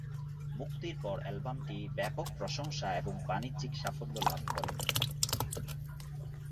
মুক্তির পর অ্যালবামটি ব্যাপক প্রশংসা এবং বাণিজ্যিক সাফল্য লাভ করে।